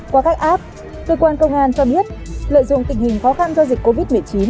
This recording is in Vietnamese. qua các app cơ quan công an cho biết lợi dụng tình hình khó khăn do dịch covid một mươi chín